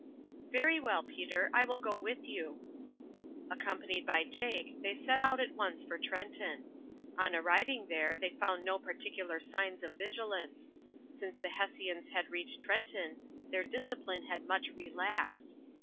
"Very well, Peter, I will go with you." Accompanied by Jake they set out at once for Trenton. On arriving there they found no particular signs of vigilance. Since the Hessians had reached Trenton their discipline had much relaxed.